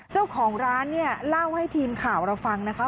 เจ้าของร้านเนี่ยเล่าให้ทีมข่าวเราฟังนะคะ